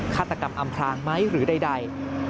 ฆาตกรรมอำพลางไหมหรือใด